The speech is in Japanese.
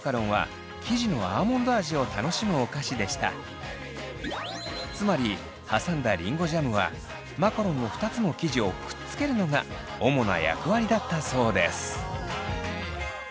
ちなみにつまり挟んだりんごジャムはマカロンの２つの生地をくっつけるのが主な役割だったそうです。